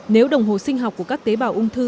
nếu đồng hồ sinh học của các tế bào ung thư